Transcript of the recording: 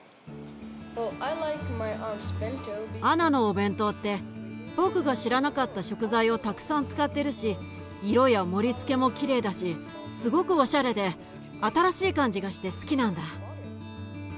アナのお弁当って僕が知らなかった食材をたくさん使ってるし色や盛りつけもきれいだしすごくおしゃれで新しい感じがして好きなんだ。